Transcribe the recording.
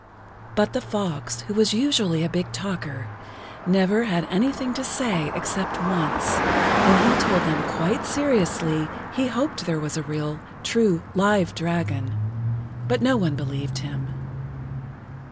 But the fox, who was usually a big talker, never had anything to say except once, when he told them quite seriously[Pg 16] he hoped there was a real, true, live dragon. But no one believed him.